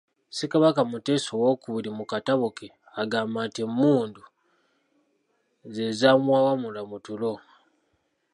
Ssekabaka Muteesa owookubiri mu katabo ke, agamba nti emmundu ze zaamuwawamula mu tulo.